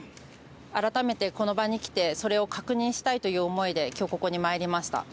改めてこの場に来て、それを確認したいという思いできょうここに参りました。